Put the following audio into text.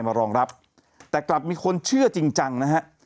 รองรับแต่กลับมีคนเชื่อจริงจังนะฮะ